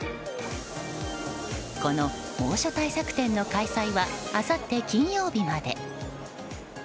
この猛暑対策展の開催はあさって金曜日まで。